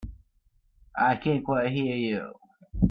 I can't quite hear you.